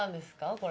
これ。